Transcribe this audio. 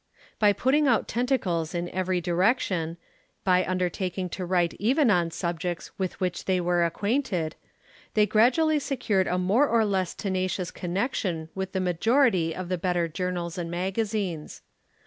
By putting out tentacles in every direction, by undertaking to write even on subjects with which they were acquainted, they gradually secured a more or less tenacious connection with the majority of the better journals and magazines.